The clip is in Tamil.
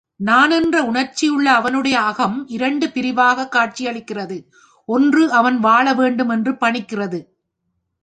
நான் என்ற உணர்ச்சியுள்ள அவனுடைய அகம் இரண்டு பிரிவாகக் காட்சியளிக்கிறது ஒன்று, அவன் வாழவேண்டும் என்று பணிக்கிறது.